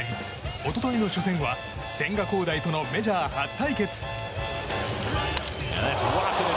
一昨日の初戦は千賀滉大とのメジャー初対決。